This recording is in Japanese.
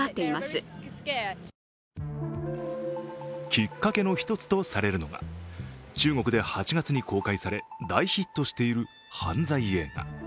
きっかけの１つとされるのが、中国で８月に公開され、大ヒットしている犯罪映画。